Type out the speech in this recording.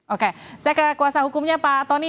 oke saya ke kuasa hukumnya pak tony